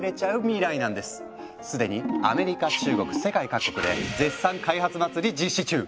すでにアメリカ中国世界各国で絶賛開発祭り実施中！